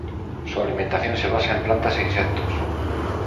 Su alimentación se basa en plantas e insectos.